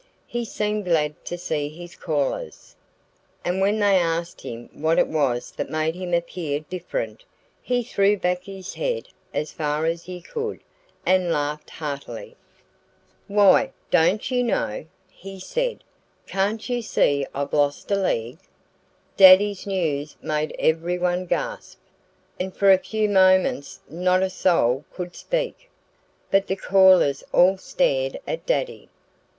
He seemed glad to see his callers. And when they asked him what it was that made him appear different, he threw back his head, as far as he could, and laughed heartily. "Why don't you know?" he said. "Can't you see I've lost a leg?" Daddy's news made everyone gasp. And for a few moments not a soul could speak. But the callers all stared at Daddy.